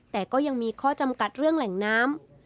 แต่ก็ยังมีข้อจำกัดเรื่องแหล่งน้ำ